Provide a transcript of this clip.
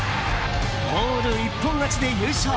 オール一本勝ちで優勝！